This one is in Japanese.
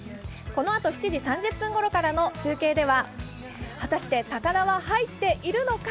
このあと７時３０分ごろからの中継では果たして魚は入っているのか？